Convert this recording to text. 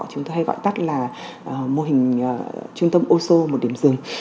chúng ta hay gọi tắt là mô hình trung tâm oso một điểm rừng